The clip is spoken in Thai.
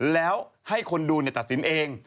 แล้วให้คนดูตัดสินเอง